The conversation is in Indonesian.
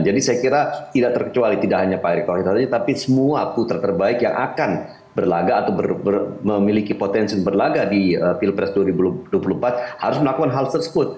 jadi saya kira tidak terkecuali tidak hanya pak erik thohir tapi semua putra terbaik yang akan berlagak atau memiliki potensi berlagak di pilpres dua ribu dua puluh empat harus melakukan hal sesekut